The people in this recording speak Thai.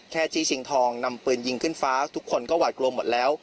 จี้ชิงทองนำปืนยิงขึ้นฟ้าทุกคนก็หวาดกลัวหมดแล้ว